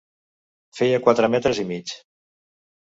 Feia quatre metres i mig.